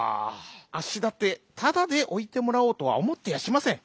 「あっしだってただでおいてもらおうとはおもってやしません。